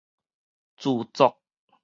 自作